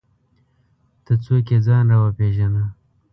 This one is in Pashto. ته څوک یې ځان راوپېژنه!